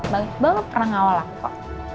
bang iqbal pernah ngawal aku